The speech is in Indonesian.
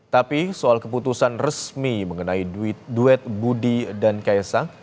tapi soal keputusan resmi mengenai duit budi dan kaisang